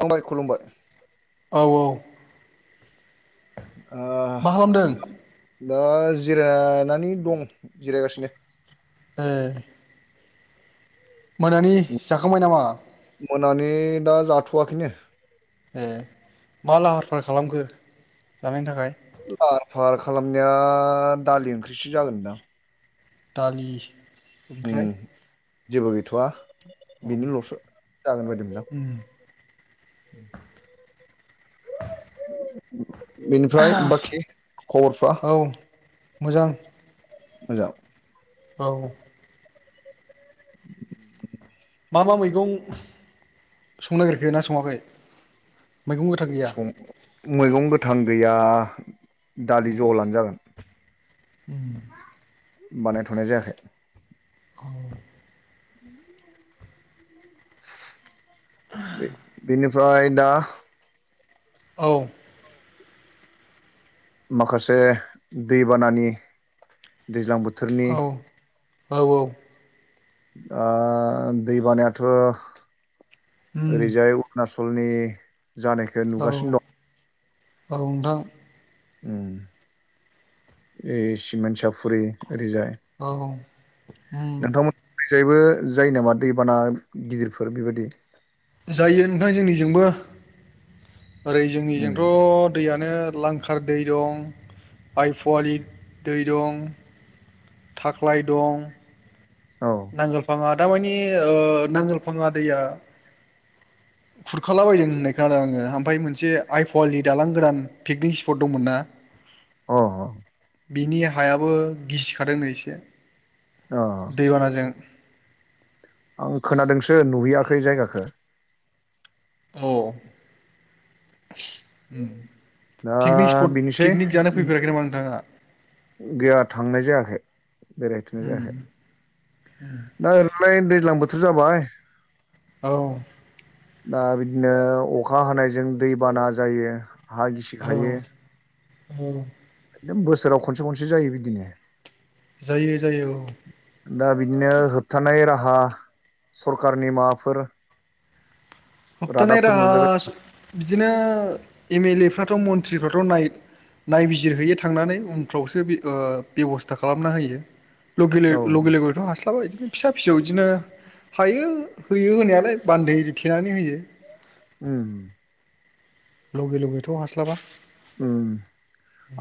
फंबाय खुलुमबाय। औ ओ मा खालामदों दाह जिरायनानै दं जिरायगासिनो ओ जाखांबाय नामा मोनानि दा जाथ'वाखैनो ए मा लाहार फाहार खालामखो जानायनि थाखाय लाहार फाहार खालामनाया दालि ओंख्रिसो जागोनदां दालि उम ओंख्रै जेबो गैथ'आ बिनो लसो जागोन बायदि उम मोनदों आं बेनिफ्राय बाखि खबरफ्रा औ मोजां मोजां ओ [inaudible] मा मा मैगं संनो नागिरखो ना सङाखै मैगं गोथां गैया सं मैगं गोथां गैया दालि जहल' आनो जागोन [inaudible] बानाय थनाय जायाखाय औ [inaudible] बिनिफ्राय दा औ माखासे दैबानानि दैज्लां बोथोरनि औ औ ओ दै बानायाथ' उम ओरैजाय अरनासल सलनि जानायखौ औ नुगासिनो दं औ नोंथां ए सिमन् सप फुरि औरैजाय औ उम नोंथांमोन फायबो जायो नामा दैबाना गिदिरफोर बेबायदि जायो नोंथां जोंनिजोंबो ओरै उम जोंनिजोंथ' दैयानो लांखार दै दं आइपुवालि दै दं थाख्लाय दं औ नांगोलफाङा दामानि ओ नांगोलफाङा दैया खुरखाला बायदों होननाय खोनादों आङो ओमफ्राय मोनसे आइ पुवालि दालां गोदान पिकनिक स्पट दंमोनना अ बिनि हायाबो गिसिखादों नो एसे अ दैबानाजों आं खोनादोंसो नुहैयाखै जायगाखौ औ ओ दा पिकनिक स्पट बेनोसै पिकनिक जानो फैफेराखै नामा नोंथाङा गैया थांनाय जायाखै बेरायथ'नाय उम जायाखै दा ओरैनोलाय दैज्लां बोथोर जाबाय औ दा बिदिनो अखा हानायजों दैबाना जायो हा औ गिसिखायो औ ए बोसोराव खनसे खनसे जायो बिदिनो जायो जायो औ दा बिदिनो होबथानाय राहा सरखारारनि माबाफोर होबथानाय रादाबफोर राहा मोनबायबाय बिदिनो एम एल ए‌ फ्राथ' मन्त्रिफ्राथ' नाय नायबिजिरहैयो थांनानै उनफ्रावसो ओ बेब'स्था खालामना होयो ल'केल औ ल'केलनिखौथ हास्लाबा बिदिनो फिसा फिसौ इदिनो हायो होयो होनायालाय बान्दै थेनानै होयो। उम लगे लगेथ' हास्लाबा उम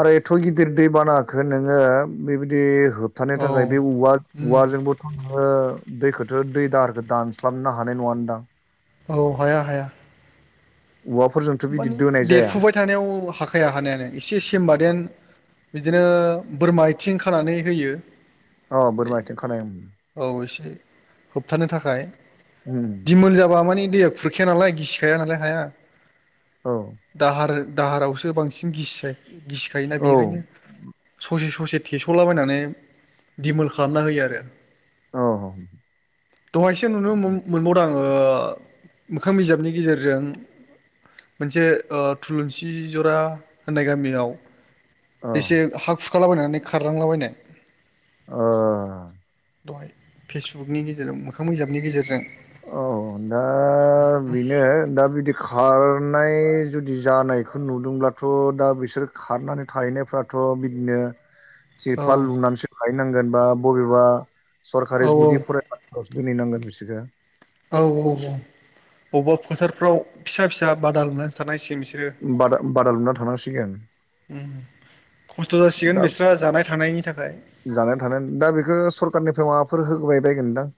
आरो एथ' गिदिर दै बानाखो नोङो बेबायदि होबथानो औ थाखाय बे औवा उम औवाजोंबोथ' नोङो दै‌ खौथ' दै दाहारखौ दानस्लाबनो हानाय नङा नोंदां? औ हाया हाया औवाफोरजोंथ' बिदि माने दोनाय जाया देरफुबाय थानायाव हाखाया हानायालाय एसे सेमबादेन बिदिनो बोरमा आथिं खानानै होयो। अ बोरमा आथिं खानाय उम औ एसे होबथानो थाखाय उम दिमोल जाबा मानि दैया खुरखाया नालाय गिसिखाया नालाय हाया। औ आरो दाहारावसो बांसिन गिसि गिसिखायोना बेनिखायनो औ ससे ससे थेस'लाबायनानै दिमोल खालामना होयो आरो। दहायसो नुनो मोन मोनबावदां ओ मोखां बिजाबनि गेजेरजों मोनसे ओ थुलुंसि ज'रा होननाय गामियाव औ बेसे हा खुरखालाबायनानै खारलांलाबायनाय ओ दहाय फेसबुकनि गेजेरजों मोखां मोजाबनि गेजेरजों। औ दा बेनो दा बिदि खार नाय जुदि जानायखौ नुदोंब्लाथ' दा बिसोर खारनानै थाहैनायफ्राथ' बिदिनो ओ औ तिरफाल लुनानैसो थाहैनांगोन बा बबेबा सरकारि औ गुदि फरायसाफोरावसो दोनहैनांगोन। फ्रिसोखा औ औ औ बबेबा फोथारफ्राव फिसा फिसा बादा लुनानैसो थानांसि बादा बादा लुना थानांसिगोन। उम खस्थ' जासिगोन दा बिस्रा जानाय थानायनि थाखाय जानानै थानो दा बेखौ सरखारारनिफ्राय माबाफोर होबाय बायगोन नोंदां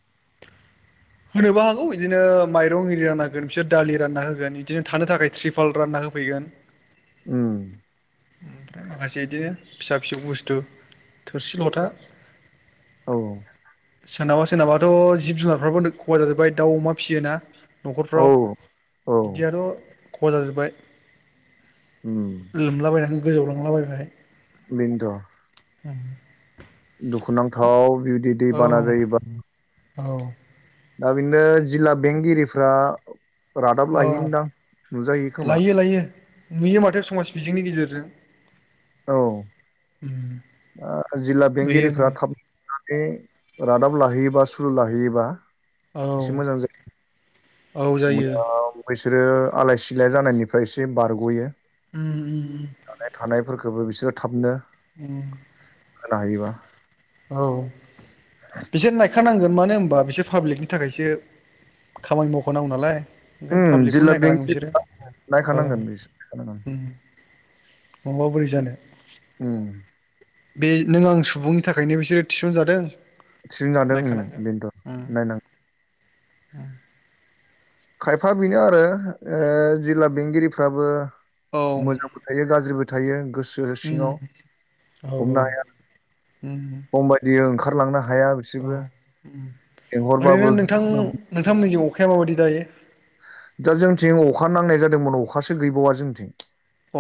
होनोबो हागौ बिदिनो माइरं हिरि रानना होगोन बिसोर दालि रानना होगोन बिदिनो थानो थाखाय त्रिपाल रानना होगोन। होफैगोन उम ओमफ्राय माखासे बिदिनो फिसा-फिसौ बुस्थु थोरसि लथा औ सोरनाबा सोरनाबाथ' जिब जुनारफ्राबो खहा जाजोब्बाय दाउ अ'मा फियोना। औ न'खरफ्राव औ बिदियाथ' खहा जाजोब्बाय उम लोमला बायनानै गोजौव लांजोबबाय। बेनोथ' उम दुखुनांथाव बिबदि दैबाना जायोबा औ दा बिदिनो जिल्ला बेंगिरिफ्रा रादाब औ लायोनदां नुजायो खोमा लायो लायो नुयो माथो समाज बिजोंनि गेजेरजों औ उम ओ जिल्ला नुयो बेंगिरिफ्रा नुयो थाब। [unintelligible] बे रादाब लाहैयोबा सुलु लाहैयोबा औ। औ [unintelligible] जायो ओ बैसोरो आलाय सिलाय जानायनिफ्राय एसे बारगयो। उम उम उम गोबो बिसोर थाबनो। [inaudible] खोनाहोयोबा। औ बिजोरनाय खारनांगोन मानो होनबा बिसोर पाब्लिकनि थाखायसो खामानि मावखानांगौ नालाय। जों उम पाब्लिकखौनो जिल्ला नायखानांगोन बेंगिरि बिसोरो औ नायखानांगोन बिसोर नायखानांगोन उम। नंङाबा बोरै जानो। उम बे नों आं सुबुंनि थाखायनो बिसोरो थिसनजादों। थिसनजादोंनो बेनोथ' नायनां। उम। खायफा बिनो आरो ओ जिल्ला बेंगिरिफ्राबो। उम औ मोजांबो थायो गाज्रिबो थायो गोस गोरो उम सिङाव औ हमनो हाया उम खमबायदि ओंखा औ उम लेंहरबाबो ओरैनो नोंथां नोंथांनिजो अखाया माबायदि दायो? दा जोंथिं अखा नांनाय जादोंमोन अखासो गैबावा जोंथिं।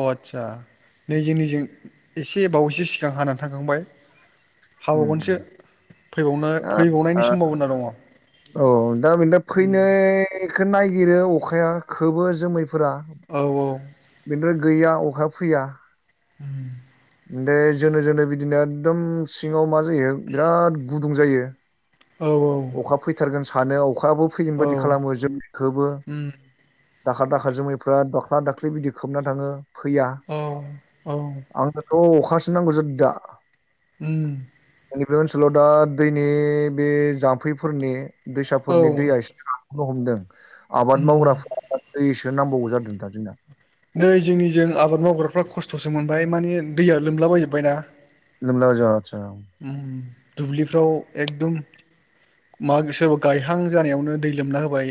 अ आदसा नै जोंनिजो एसे बावैसो सिखा हानानै थांखांबाय। हाबागनसो उम फैबावनो दा फैबावनायनि समभबना दङ। औ दा बेनदो उम फैनायखौ नायागिरो अखाया। खोबो जोमैफोरा औ औ बेनद्राय गैया अखा फैया। [inaudible] बे जोनो जोनो बिदिनो एदम सिङाव मा जायो बिराद गुदुं जायो। औ औ अखा फैथारगोन सानो अखा। आबाव फैगोन औ बायदि खालामो जों खोबो। उम दाखार दाखार जोमैफ्रा दाख्ला दाख्लि बिदि खोबना थाङो। औ औ। बेफोरखौ अखासो नांगौ जोदोंदा। उम। नैबे ओनसोलाव दा दैनि बे जाम्फैफोरनि औ दैसाफोरनि उम दैया एसे रान फोहमदों आबाद मावग्राफ्रा दैसो नांबावगो जादों दा जोंना। नै जोंनिजों आबाद मावग्राफ्रा खस्थसो मोनबाय माने दैया लोमलाबायजोबबायना। लोमला जा आदसा। दुब्लिफ्राव एकदम। मा गोसोरबा गायहां जानायावनो दै लोमना होबाय।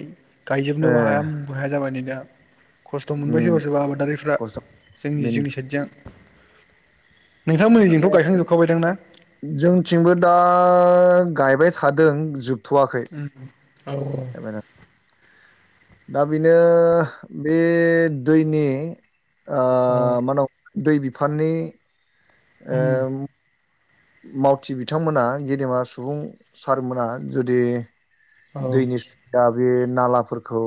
ए गायजोबनोबो हाया मुमबो हाया जाबाय नै दा खस्थ मोनबाय उम सोरबा सोरबा आबादारिफ्रा खस्थ' जोंनि जिंनि बेनो साइडजों। नोंथांमोननिजोंथ' [unintelligible] गायखांजोबखाबायदां ना जोंथिंबो दा। गायबाय थादों जोब उम औ औ। दा बेनो बे दैनि ओ औ मानग। दै बिफाननि ओ उम मावथि बिथांमोना गेदेमा सुबुं सारमोना जुदि औ दैनि सुबदा बे नालाफोरखौ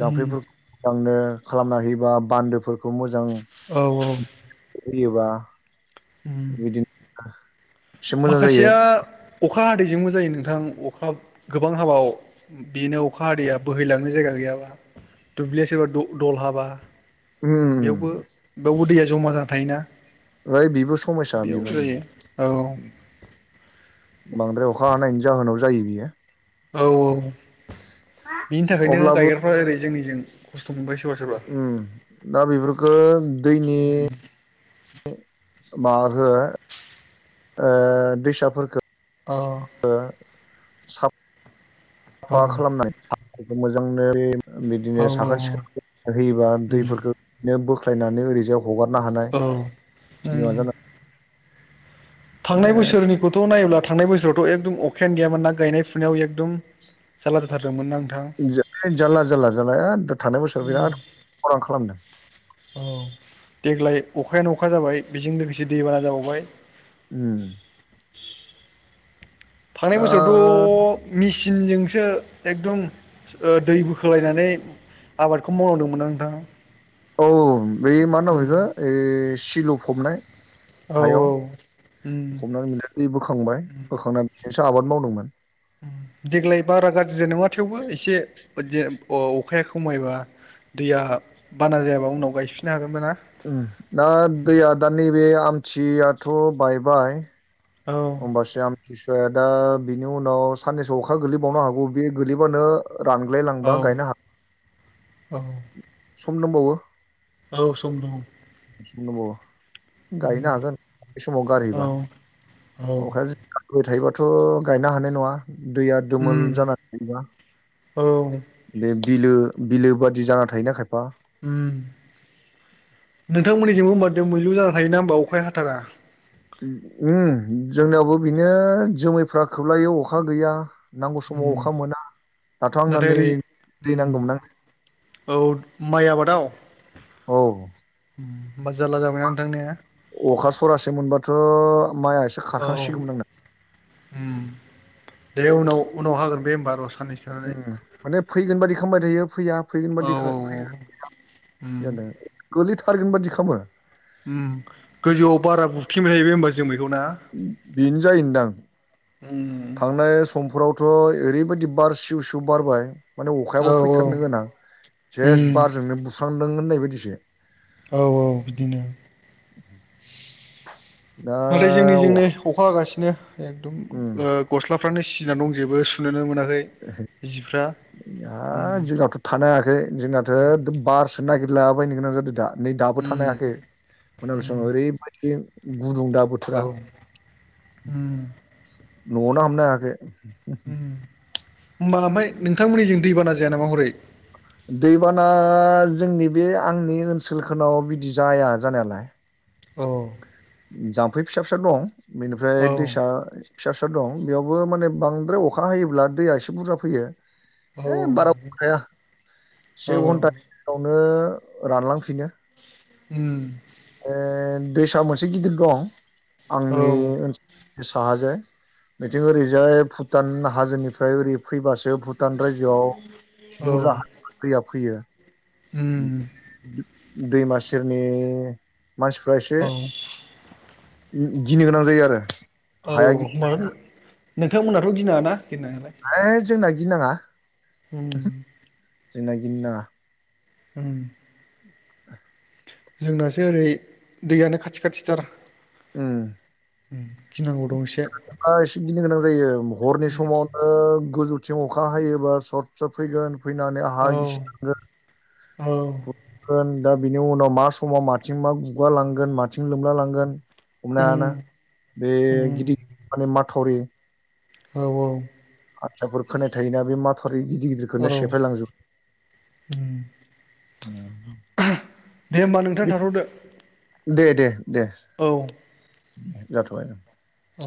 उम जाम्फैफोरखौ लांनो। खालामना होयोबा बान्दोफोरखौ मोज औ औ। बियोबा। उम एसे मोजां जायो। माखासेया अखा हादैजोंबो जायो नोंथां अखा गोबां हाबा बेनो अखा हादैया बोहैलांनो जायगा गैया। दुब्लिया सोरबा दल हाबा उम बेयावबो ओमफ्राय बेयावबो दैया जमा जाना थायोना। ओइ बेबो समयसा बेयाव बेबो जायो औ बांद्राय अखा हानायनि जाहोनाव जायो बियो। औ औ बिनि थाखायनो अब्लाबो गायग्राफ्रा ओरै जोंनिजों खस्थ मोनबायसो ओम दा बेफोरखौ दैनि माबा हो ओ दैसाफोरखौ अ ओ साप औ साफा खालामनायफोरखौ मोजांनो बे बिदिनो साखोन सिखोन होयोबा दैफोरखौ बिदिनो बोख्लायनानै ओरैजाव हगारनो हानाय औ [inaudible] थांनाय बोसोरनिखौथ नायोब्ला थांनाय बोसोराव फथ एकदम अखायानो गैयामोन ना गायनाय फुनायाव एकदम जारला जाथारदोंमोन आं जारला जारला जालाया थां बोसोराव बिराद खरां खालामदों। औ देग्लाय अखायानो अखा जाबाय बेजों लोगोसे दै बाना जाबावबाय। ओम। थांनाय बोसोरावथ' मिसि सिनजोंसो एकदम दै बोखोलायनानै आबादखौ मावनांदोंंमोनना नोंथां। औ बैमा मोनो ओइ बेखो सिल' फबनाय औ हायाव उम हबनानै मोनथ बोखांबाय बोखांनानै बेजोंसो आबाद मावदोंमोन। देग्लाय बारा गाज्रिद नङा थेवबो एसे अखाया खमायबा दैया बाना जायाबा उनाव गायफिननो हागोन। दा दैया दा नैबे आमथियाथ बायबाय औ होमबासो आं खिसुआ दा बिनि उनाव साननैसोआव अखा गोलैबावनो हागौ बे गोलैबानो रानग्लाय औ लांबा गायनो हाग औ सम दंबावो। औ सम दं। सम दं गायनो हागोन है समाव औ गारहैबा। औ अखा हाबाय थायोबाथ' गायनो हानाय नङा। दैया दोमोल उम जानानै थायोना? औ। बिलो बिलो बादि जाना थायोना खायफा उम नोंथांमोननिजोंमबो होमबा दोमैलु जाना थायो ना होमबा अखा हाथारा ओम जोंनियावबो बिनो जोमैफ्रा खोबलायो अखा गैया। नांगौ समाव उम अखा मोना। दाथ आंना नाथाय नै ओरै दै उम नांगौमोन ना औ माइ आबादाव औ होमबा जारला जाबायना नोंथांने अखा सरासे मोनबाथ माइआ एसे औ खारखांसिगौमोन आंना। उम दे उनाव उनाव हागोन बे होमबा रस उम माने फैगोन बादि खालामामबाय थायो फैया फैगोन औ बादि फै औ उम जादों गोलैथारगोन बादि खालामो। उम गोजौआव बारा बुख्रिबाय थायो बे होमबा जोमैखौ ना बेनो जायोनोंदां उम थांनाय समफोराव थ' ओरैबायदि बार सिउ सिउ बारबाय माने अखायाबो औ फैथारनो गोनां जेस्ट उम बारजोंनो बुस्रांदों होननाय बायदिसो। औ बिदिनो दा नाथाय जोंनिजोंनो अखा हागासिनो बिदिनो एकदम उम गस्लाफ्रानो सिजना दं जेबो सुो मोनाखै जिफोरा। हा जोंहथ' थानो हायाखै जोंनाथ' बारसो नागिरलाबायनो गोनां जादों दा। नै दाबो थनो उम हायाखै औ मोनाबिलि समाव ओरैबायदि गुदुं दा बोथोरा होमबा न'आवनो हाबनो हायाखै। उम। होनबाला बै नोंथांमोननिजों दैबाना जाया नामा हरै? [unintelligible] दैबाना जोंनि बे आंनि ओनसोलफोराव बिदि जाया जानायालाय। अ जाम्फै फिसा फिसा दं बेनिफ्राय औ दैसा फिसा फिसा दं बेयावबो माने बांद्राय अखा हायोब्ला दैया एसे बुरजा फैयो। औ है बाराबो थाया औ से घन्टानि गेजेरायावनो रानलांफिनो उम ओ दैसाआ मोनसे गिदिर दं औ आंनि ओनसोलाव। साहाजाय बिथिं ओरैजाय भुटान हाजोनिफ्राय ओरै फैबासो भुटान रायजोआव बुरजा दैया फैयो। दैमा सेरनि मानसिफ्रा एसे औ गिनो गोनां जायो आरो। औ औ हाया मा होन नोंथांमोनाथ' गिनाङाना? है जोंना गिनाङा। हम जोंना गिनो नाङा। उम जोंनासो ओरै दैयानो खाथि खाथिथार। उम उम एसे गिनो गोनां जायो हरनि समावनो गोजौ थिं अखा हायोबा सट सट फैगोन फैनानै हा औ गिसि थांगोन। औ खुरखागोन दा बिनि उनाव मा समाव माथिं मा गुगा लांगोन माथिं लोमला लांगोन हमनो हायाना बे गिदिर माने माथावरि औ औ आयथाफोर खोनाय थायोना बे माथा थावरि गिदिर औ गिदिरखौनो सेफायलांजोबो। दे होमबा नोंथां थाथ'दो। दे दे दे औ जाथ'बाय। औ